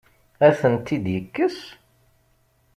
Ad tent-id-yekkes?